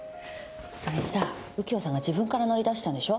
それにさ右京さんが自分から乗り出したんでしょ？